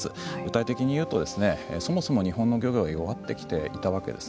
具体的に言うとそもそも日本の漁業は弱ってきていたわけです。